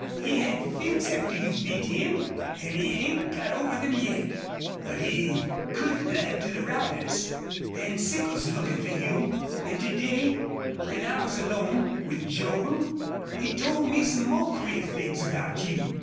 He had fits after you beat him, an' he 'ain't got over them yet. But he could blab to the riders. Van Sickle's lookin' fer you. An' to day when I was alone with Joel he told me some more queer things about you.